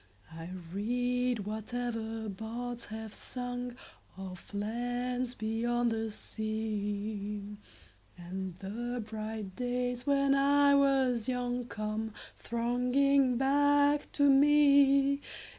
I read whatever bards have sung Of lands beyond the sea, 10 And the bright days when I was young Come thronging back to me.